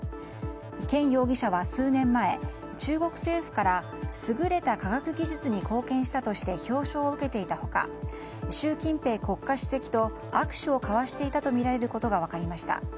ケン容疑者は数年前中国政府から優れた科学技術に貢献したとして表彰を受けていた他習近平国家主席と握手を交わしていたとみられることが分かりました。